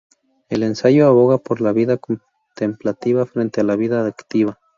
El ensayo aboga por la vida contemplativa frente a la vida activa.